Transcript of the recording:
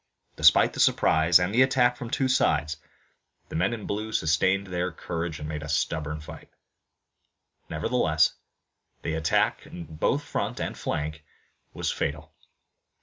Despite the surprise and the attack from two sides, the men in blue sustained their courage and made a stubborn fight. Nevertheless the attack in both front and flank was fatal.